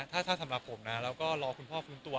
ถ้าสำหรับผมนะแล้วก็รอคุณพ่อฟื้นตัว